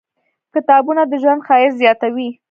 • کتابونه، د ژوند ښایست زیاتوي.